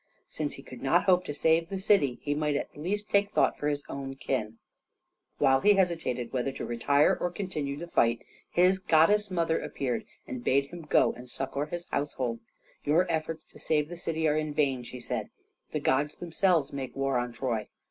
Since he could not hope to save the city he might at least take thought for his own kin. While he still hesitated whether to retire or continue the fight, his goddess mother appeared and bade him go and succor his household. "Your efforts to save the city are vain," she said. "The gods themselves make war on Troy.